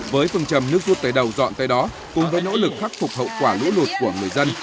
với phương trầm nước rút tới đầu dọn tới đó cùng với nỗ lực khắc phục hậu quả lũ lụt của người dân